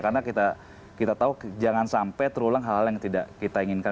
karena kita tahu jangan sampai terulang hal hal yang tidak kita inginkan